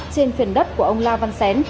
trên phiền đất của ông la văn sén